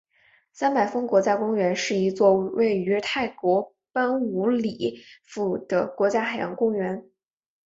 三百峰国家公园是一座位于泰国班武里府的国家海洋公园。